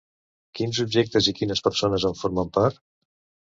Quins objectes i quines persones en formen part?